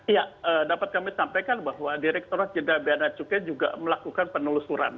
ya dapat kami sampaikan bahwa direkturat jenderal beacukai juga melakukan penelusuran